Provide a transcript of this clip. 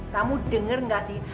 kamu denger gak sih